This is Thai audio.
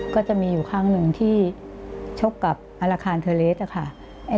ก็จะมีอยู่ครั้งหนึ่งที่ชกกับธนาคารเทอร์เลสค่ะ